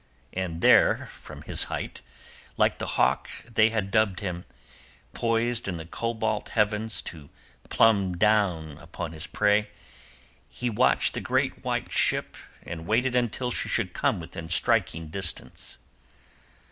And there from his height, like the hawk they had dubbed him, poised in the cobalt heavens to plumb down upon his prey, he watched the great white ship and waited until she should come within striking distance.